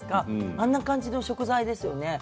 あんな感じの食材ですよね。